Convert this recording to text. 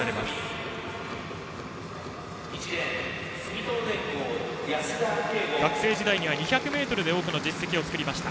安田圭吾は学生時代に２００ｍで多くの実績を作りました。